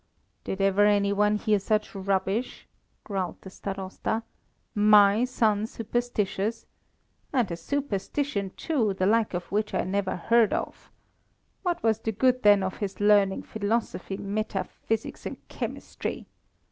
"Did ever any one hear such rubbish?" growled the Starosta. "My son superstitious! And a superstition, too, the like of which I never heard of! What was the good, then, of his learning philosophy, metaphysics, and chemistry?